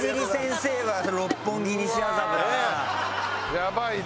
やばいね。